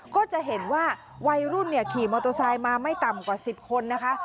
ก็จะเห็นว่าวัยรุ่นขี่มอเตอร์ไซค์มาไม่ต่ำกว่า๑๐คนนะคะ